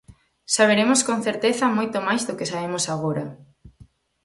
Saberemos con certeza moito máis do que sabemos agora...